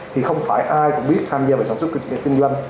thì không phải ai cũng biết tham gia vào sản xuất kinh doanh